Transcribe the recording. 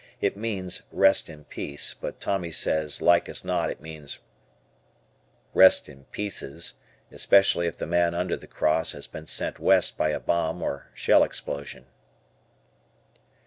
It means "Rest in peace," but Tommy says like as not it means "Rest in pieces," especially if the man under the cross has been sent West by a bomb or shell explosion.